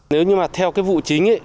nếu như mà theo cái vụ chính ấy